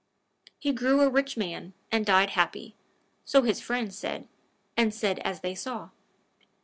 He grew a rich man, and died happy so his friends said, and said as they saw.